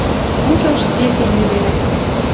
Ужаш Ефим йӹлерӓк.